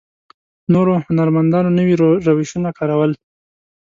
نورو هنرمندانو نوي روشونه کارول.